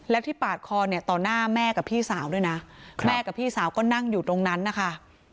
แล้วที่ปาดคอเนี่ยต่อหน้าแม่กับพี่สาวด้วยนะแม่กับพี่สาวก็นั่งอยู่ตรงนั้นนะคะ